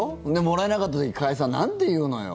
もらえなかった時に加谷さん、なんて言うのよ。